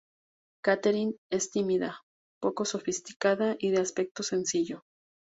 Catherine es tímida, poco sofisticada y de aspecto sencillo.